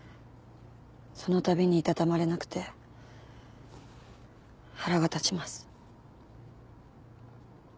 そのたびにいたたまれなくて腹が立ちます。